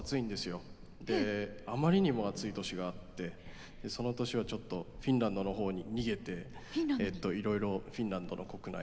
あまりにも暑い年があってその年はちょっとフィンランドの方に逃げていろいろフィンランドの国内を回ったりとかして。